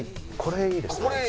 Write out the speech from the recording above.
これいいですね。